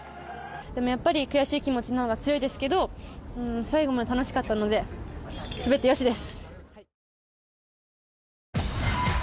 やっぱり悔しい気持ちのほうが強いですけど最後まで楽しかったので全てよしです。